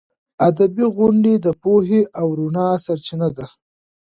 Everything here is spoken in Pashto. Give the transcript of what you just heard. ادبي غونډې د پوهې او رڼا سرچینه ده.